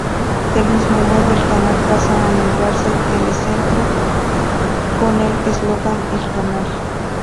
Del mismo modo, el canal pasa a nombrarse Telecentro, con el eslogan "El Canal".